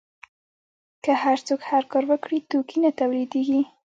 که هر څوک هر کار وکړي توکي نه تولیدیږي.